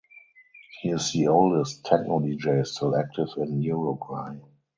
He is the oldest techno dj still active in Uruguay.